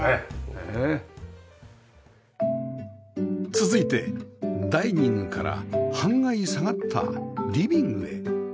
続いてダイニングから半階下がったリビングへ